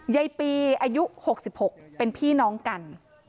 ยายปีอายุ๖๖เป็นพี่น้องกัน